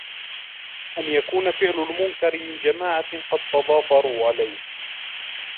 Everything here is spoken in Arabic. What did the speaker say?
أَنْ يَكُونَ فِعْلُ الْمُنْكَرِ مِنْ جَمَاعَةٍ قَدْ تَضَافَرُوا عَلَيْهِ